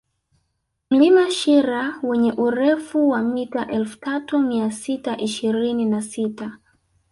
Mlima Shira wenye urefu wa mita elfu tatu mia sita ishirini na sita